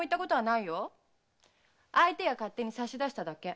相手が勝手に差し出しただけ。